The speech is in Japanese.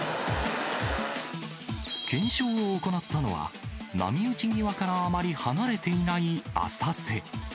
検証を行ったのは、波打ち際からあまり離れていない浅瀬。